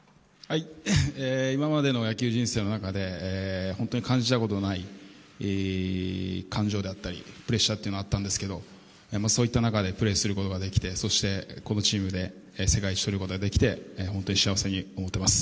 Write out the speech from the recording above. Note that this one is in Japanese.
今までの野球人生の中で本当に感じたことのない感情だったりプレッシャーがあったんですけどそういった中でプレーすることができてそして、このチームで世界一をとることができて本当に幸せに思っています。